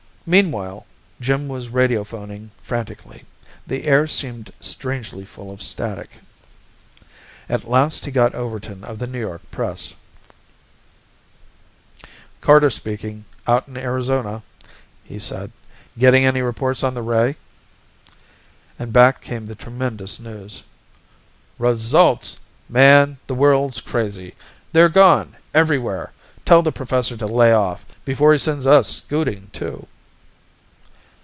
Meanwhile Jim was radio phoning frantically. The air seemed strangely full of static. At last he got Overton of The New York Press. "Carter speaking, out in Arizona," he said. "Getting any reports on the ray?" And back came the tremendous news: "Results! Man, the world's crazy! They're gone everywhere! Tell the professor to lay off, before he sends us scooting too."